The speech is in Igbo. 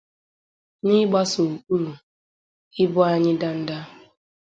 n'ịgbaso ụkpụrụ "Ibu Anyị Danda"